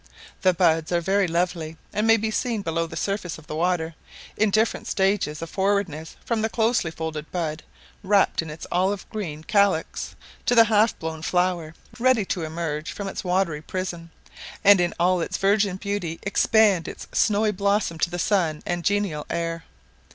The buds are very lovely, and may be seen below the surface of the water, in different stages of forwardness from the closely folded bud, wrapped in its olive green calix, to the half blown flower, ready to emerge from its watery prison, and in all its virgin beauty expand its snowy bosom to the sun and genial air.